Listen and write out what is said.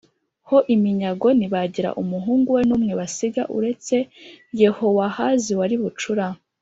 ho iminyago ntibagira umuhungu we n umwe basiga uretse Yehowahazi wari bucura